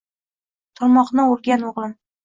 Turmoqni oʻrgan, oʻgʻlim.